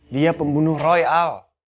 dia pembunuh roy al